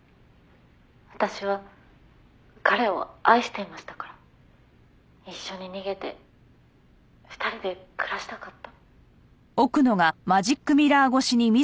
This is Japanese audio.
「私は彼を愛していましたから」「一緒に逃げて２人で暮らしたかった」